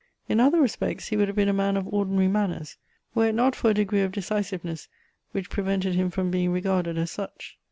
In other respects he would have been a man of ordinary manners, were it not for a degree of decisiveness which prevented him from being regarded as such.